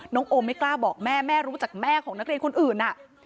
โอมไม่กล้าบอกแม่แม่รู้จักแม่ของนักเรียนคนอื่น